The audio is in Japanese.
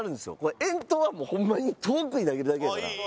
遠投は、ホンマに遠くに投げるだけやから。